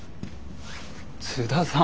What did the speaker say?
津田さん。